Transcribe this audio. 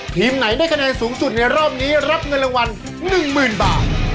ทีมไหนได้คะแนนสูงสุดในรอบนี้รับเงินรางวัล๑๐๐๐บาท